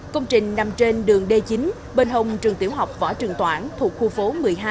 công trình nằm trên đường d chín bên hồng trường tiểu học võ trường toản thuộc khu phố một mươi hai